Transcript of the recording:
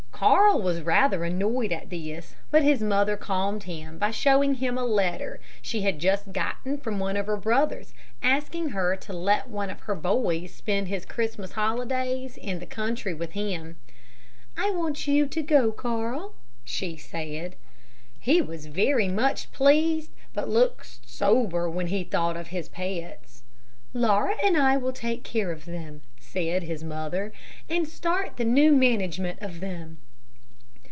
Carl was rather annoyed at this, but his mother calmed him by showing him a letter she had just gotten from one of her brothers, asking her to let one of her boys spend his Christmas holidays in the country with him. "I want you to go, Carl," she said. He was very much pleased, but looked sober when he thought of his pets. "Laura and I will take care of them," said his mother, "and start the new management of them."